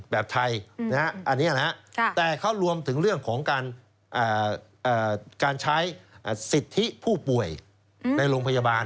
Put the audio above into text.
แบบไทยอันนี้นะครับแต่เขารวมถึงเรื่องของการใช้สิทธิผู้ป่วยในโรงพยาบาล